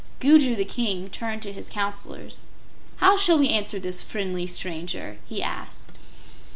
Gugu the King turned to his Counselors. "How shall we answer this friendly stranger?" he asked.